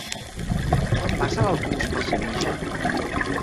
Quan passa l'autobús per Senija?